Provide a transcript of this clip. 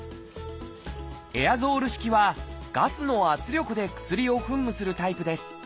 エアゾール式はガスの圧力で薬を噴霧するタイプです。